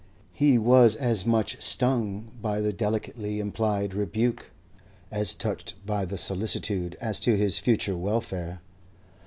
He was as much stung by the delicately implied rebuke as touched by the solicitude as to his future welfare.